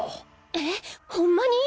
えホンマに？